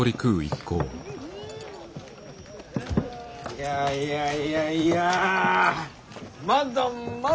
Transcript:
いやいやいやいやまだまだありますぞ！